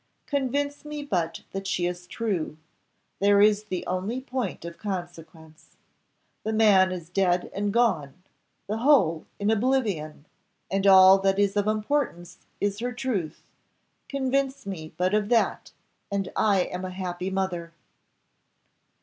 Convince me but that she is true there is the only point of consequence. The man is dead and gone, the whole in oblivion, and all that is of importance is her truth; convince me but of that, and I am a happy mother."